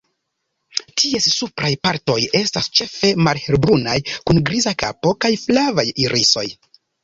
Ties supraj partoj estas ĉefe malhelbrunaj, kun griza kapo kaj flavaj irisoj.